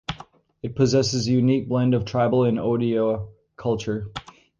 It possesses a unique blend of tribal and odia culture.